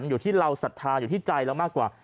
มันอยู่ที่เราสัทธาอยู่ที่ใจแล้วมากกว่า